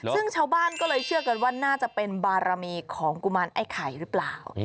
ซึ่งชาวบ้านก็เลยเชื่อกันว่าน่าจะเป็นบารมีของกุมารไอ้ไข่หรือเปล่า